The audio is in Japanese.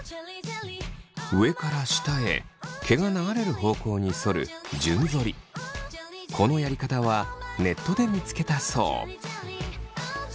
上から下へ毛が流れる方向にそるこのやり方はネットで見つけたそう。